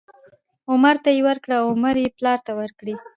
عمر ته یې ورکړې او عمر یې پلار ته ورکړې،